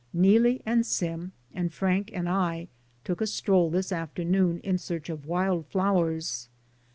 Neelie and Sim, and Frank and I took a stroll this afternoon in search of wild flow ers.